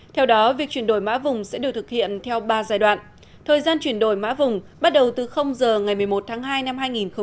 theo đó việc chuyển đổi mã vùng sẽ được thực hiện theo ba giai đoạn thời gian chuyển đổi mã vùng bắt đầu từ giờ ngày một mươi một tháng hai năm hai nghìn hai mươi